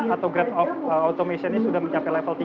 atau grade of automationnya sudah mencapai level tiga